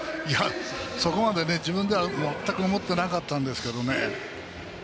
そこまで自分では全く思ってなかったんですけどね。